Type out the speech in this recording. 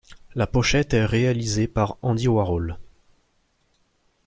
La pochette est réalisée par Andy Warhol.